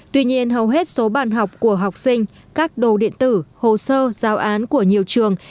tuy nhiên hầu hết số bàn học của học sinh các đồ điện tử hồ sơ giáo án của nhiều trường